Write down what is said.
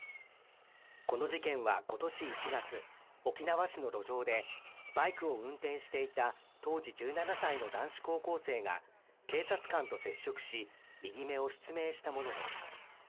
この事件はことし１月沖縄市の路上でバイクを運転していた当時１７歳の男子高校生が警察官と接触し右目を失明したものです